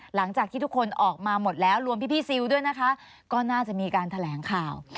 หลังจากที่ทุกคนออกมาหมดแล้วรวมพี่ซิลด้วยนะคะก็น่าจะมีการแถลงข่าว